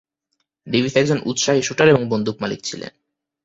Davies একজন উৎসাহী shooter এবং বন্দুক মালিক ছিলেন।